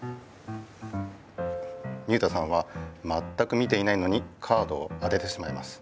水田さんはまったく見ていないのにカードを当ててしまいます。